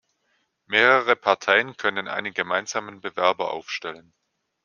Mehrere Parteien können einen gemeinsamen Bewerber aufstellen.